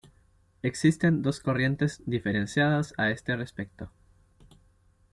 Existen dos corrientes diferenciadas a este respecto.